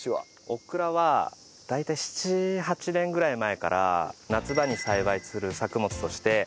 オクラは大体７８年ぐらい前から夏場に栽培する作物として始まりまして。